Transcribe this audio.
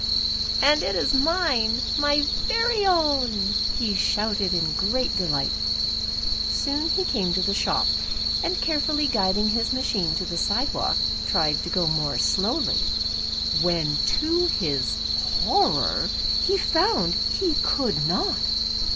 "And it is mine, my very own," he shouted in great delight. Soon he came to the shop, and carefully guiding his machine to the sidewalk, tried to go more slowly, when to his Jiorvor he found he could not